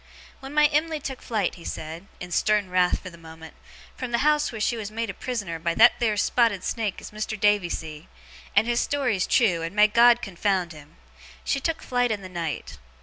'When my Em'ly took flight,' he said, in stern wrath for the moment, 'from the house wheer she was made a prisoner by that theer spotted snake as Mas'r Davy see, and his story's trew, and may GOD confound him! she took flight in the night.